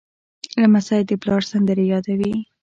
لمسی د پلار سندرې یادوي.